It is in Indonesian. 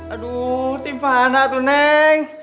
aduh dimana tuh neng